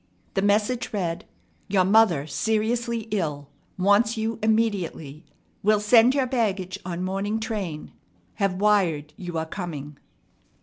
The message read: "Your mother seriously ill. Wants you immediately. Will send your baggage on morning train. Have wired you are coming."